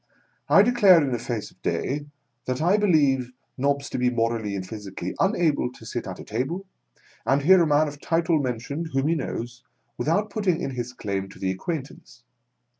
I declare in the face of day, that! I believe Nobbs to be morally and physically xinable to sit at a table and hear a man of title mentioned, whom he knows, without putting in his claim to the acquaintance.